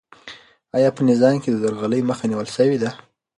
آیا په نظام کې د درغلۍ مخه نیول سوې ده؟